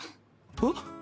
えっ？